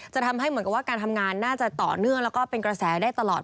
ทำให้เหมือนกับว่าการทำงานน่าจะต่อเนื่องแล้วก็เป็นกระแสได้ตลอด